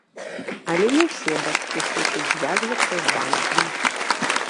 Але не ўсе бацькі хочуць звязвацца з банкамі.